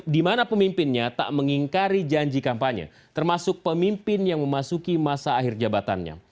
di mana pemimpinnya tak mengingkari janji kampanye termasuk pemimpin yang memasuki masa akhir jabatannya